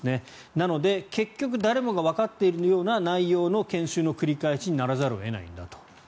なので、結局誰もがわかっているような内容の研修にならざるを得ないんだと。